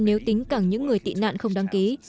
nếu tính cả những người tị nạn không đăng ký